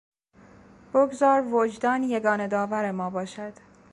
بگذار وجدان یگانه داور ما باشد.